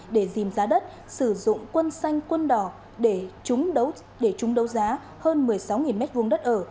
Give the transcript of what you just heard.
để dìm giá đất sử dụng quân xanh quân đỏ để trúng đấu giá hơn một mươi sáu m hai đất ở